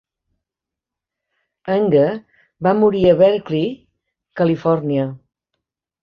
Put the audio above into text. Anger va morir a Berkeley, Califòrnia.